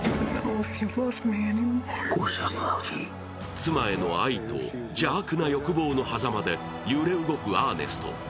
妻への愛と邪悪な欲望のはざまで揺れ動くアーネスト。